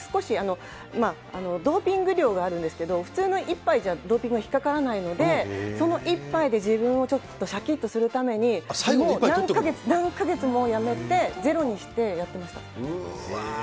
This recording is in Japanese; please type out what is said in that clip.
そうすると少し、ドーピング量があるんですけど、普通の１杯じゃドーピング引っ掛からないので、その１杯で自分をしゃきっとするために、何か月も、もう何か月もやめて、ゼロにしてうわー。